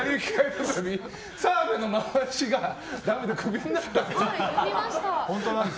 澤部の回しがダメでクビになったって。